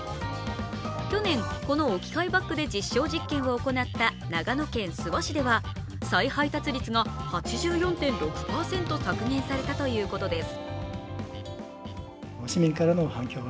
去年、この置き配バッグで実証実験を行った長野県諏訪市では、再配達率が８４．６％削減されたということです。